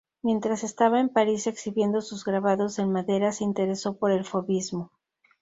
Mientras estaba en París exhibiendo sus grabados en madera, se interesó por el fovismo.